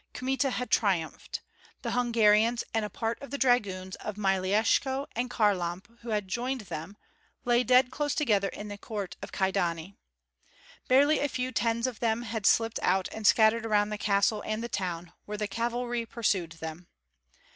Kmita had triumphed. The Hungarians and a part of the dragoons of Myeleshko and Kharlamp who had joined them, lay dead close together in the court of Kyedani. Barely a few tens of them had slipped out and scattered around the castle and the town, where the cavalry pursued them.